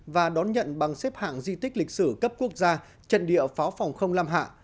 và đón nhận bằng xếp hạng di tích lịch sử cấp quốc gia trận địa pháo phòng không lam hạ